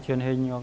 các đài truyền hình